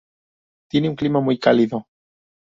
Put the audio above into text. Tiene un clima muy cálido.